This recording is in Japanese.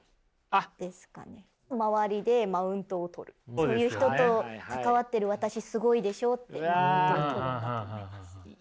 そういう人と関わってる私すごいでしょってことだと思います。